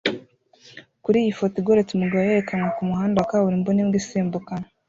Kuri iyi foto igoretse umugabo yerekanwa kumuhanda wa kaburimbo n'imbwa isimbuka